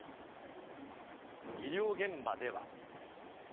医療現場では。